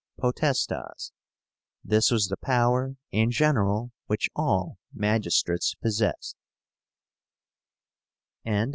POTESTAS. This was the power, in general, which all magistrates possessed.